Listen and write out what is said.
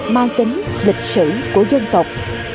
mang tính lịch sử của dân tộc